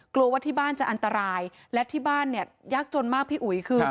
กลัวว่าที่บ้านจะอันตรายและที่บ้านเนี่ยยากจนมากพี่อุ๋ยคือ